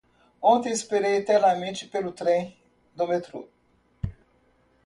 Ontem esperei eternamente pelo trem do metrô.